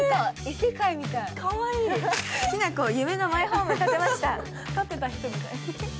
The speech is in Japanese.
きなこ、夢のマイホーム、建てました。